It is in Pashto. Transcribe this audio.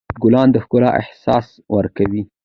ګلان د ښکلا احساس ورکوي.